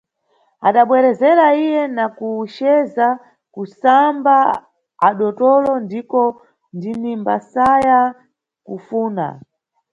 Adabwerezera iye, na kuzeza kusamba adotolo, ndiko ndinimbasaya kufuna.